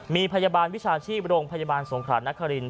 มีพยาบาลวิชาชีพไปรงค์พยาบาลสงขา๊ะขรินซ์